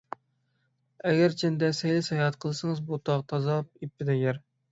ئەگەرچەندە سەيلە - ساياھەت قىلسىڭىز، بۇ تاغ تازا ئېپىدە يەر.